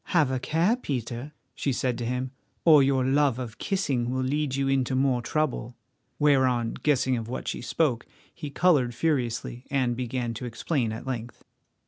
"Have a care, Peter," she said to him, "or your love of kissing will lead you into more trouble." Whereon, guessing of what she spoke, he coloured furiously, and began to explain at length.